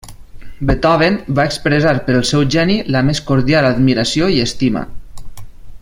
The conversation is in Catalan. Beethoven va expressar pel seu geni la més cordial admiració i estima.